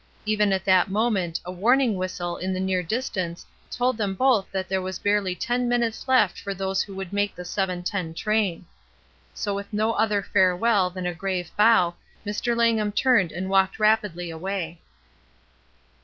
Even at that moment a warning whistle in the near distance told them both that there was barely ten minutes left for those who would make the 7.10 train; so with no other farewell than a grave bow Mr. Langham turned and walked rapidly away.